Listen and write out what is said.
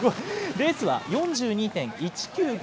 レースは４２．１９５